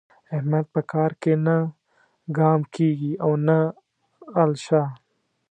احمد په کار کې نه ګام کېږي او نه الشه.